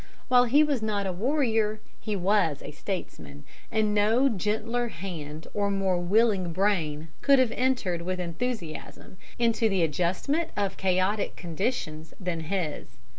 While he was not a warrior, he was a statesman, and no gentler hand or more willing brain could have entered with enthusiasm into the adjustment of chaotic conditions, than his.